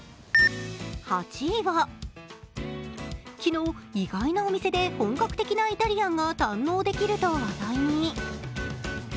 ８位は、昨日、意外なお店で本格的なイタリアンが堪能できると話題に。